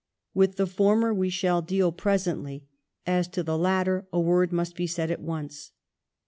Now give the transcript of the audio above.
1834 With the former we shall deal presently ; as to the latter a word may be said at once.